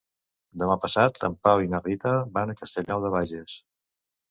Demà passat en Pau i na Rita van a Castellnou de Bages.